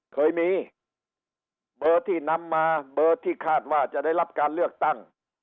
เคยมีเบอร์ที่นำมาเบอร์ที่คาดว่าจะได้รับการเลือกตั้ง